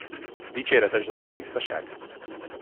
Dicséretes dolog a tisztaság!